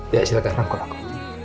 ya silahkan rangkut aku